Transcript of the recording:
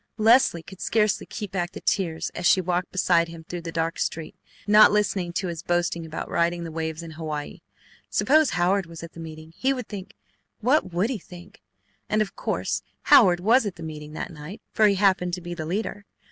Leslie could scarcely keep back the tears as she walked beside him through the dark street, not listening to his boasting about riding the waves in Hawaii. Suppose Howard was at meeting! He would think what would he think? And of course Howard was at the meeting that night, for he happened to be the leader.